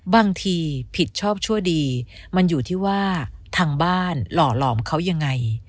บางทีผิดชอบชั่วดีมันอยู่ที่ว่าทางบ้านหล่อหลอมเขายังไง